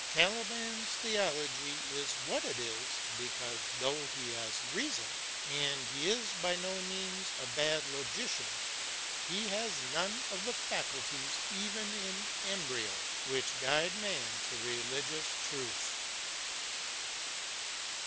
Caliban's theology is what it is because, though he has reason — ^and indeed he is by no means a bad logician — ^he has none of the faculties, even in embryo, which guide man to religious truth.